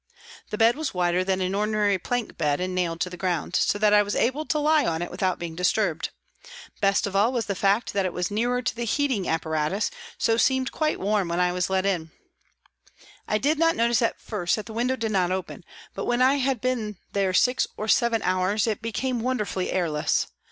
The bed was wider than an ordinary plank bed and nailed to the ground, so that I was able to lie on it without being disturbed. Best of all was the fact that it was nearer to the heating appa ratus and so seemed quite warm when I was led in. I did not notice at first that the window did not open, but when I had been there six or seven hours it became wonderfully airless.